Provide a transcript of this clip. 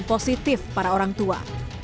dan positif para orang tua